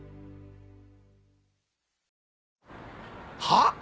はあ？